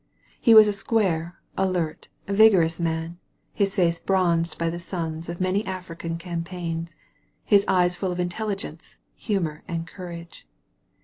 He was a square, alert, vigorous man, his face bronzed by the suns of many African cam paigns, his eyes full of intelligence, humor, and <;ourage.